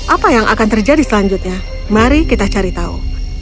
apa yang akan terjadi selanjutnya mari kita cari tahu